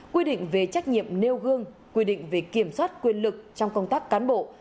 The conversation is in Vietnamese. quy định về trách nhiệm nêu gương quy định về kiểm soát quyền lực trong công tác cán bộ